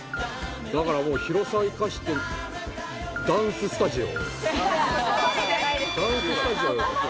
だからもう広さを生かしてダンススタジオ。